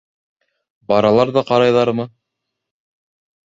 Баралар ҙа ҡарайҙармы?